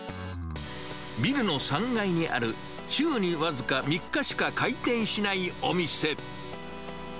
ビルの３階にある週に僅か３日しか開店しないお店。